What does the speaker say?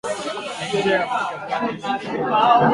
ni nyema kupika viazi lishe vikiwa havija menywa